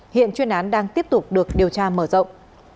hiện chuyên án đang tiếp tục được điều tra mở rộng